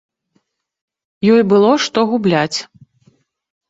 Ёй было што губляць.